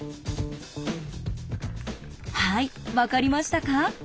はい分かりましたか？